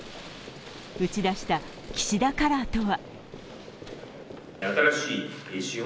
打ち出した岸田カラーとは。